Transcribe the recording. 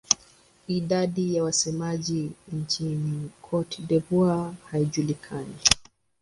Idadi ya wasemaji nchini Cote d'Ivoire haijulikani.